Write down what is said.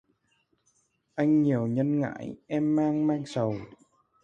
Anh nhiều nhân ngãi, em mang mang sầu